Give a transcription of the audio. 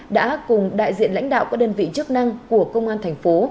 đã cùng đại diện lãnh đạo các đơn vị chức năng của công an thành phố